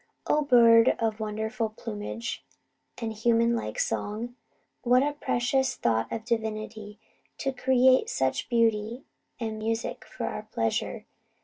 O bird of wonderful plumage and human like song! What a precious thought of Divinity to create such beauty and music for our pleasure!